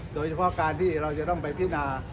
โดยเฉพาะการที่เราจะต้องไปพินา